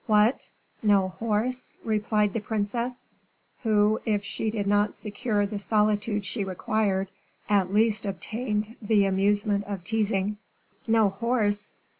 "What, no horse?" replied the princess, who, if she did not secure the solitude she required, at least obtained the amusement of teasing. "No horse!